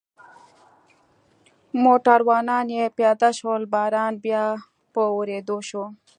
موټروانان یې پیاده شول، باران بیا په ورېدو شو.